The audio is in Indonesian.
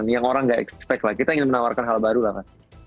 yang orang gak expect lah kita ingin menawarkan hal baru lah mas